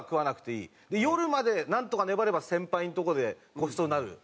夜までなんとか粘れば先輩のとこでごちそうになる。